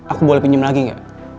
aku boleh pinjam lagi gak